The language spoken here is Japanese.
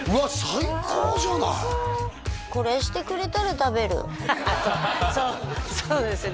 最高じゃないこれしてくれたら食べるそうですね